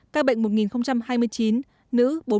các bệnh một hai mươi chín nữ bốn mươi sáu tuổi